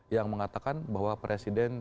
yang mengatakan bahwa presiden